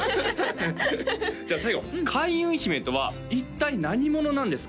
じゃあ最後開運姫とは一体何者なんですか？